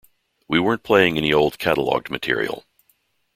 We weren't playing any old, cataloged material.